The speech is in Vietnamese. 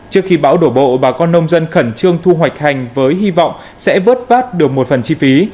trước khi bão đổ bộ bà con nông dân khẩn trương thu hoạch hành với hy vọng sẽ vớt vát được một phần chi phí